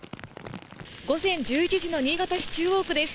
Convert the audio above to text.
午前１１時の新潟市中央区です。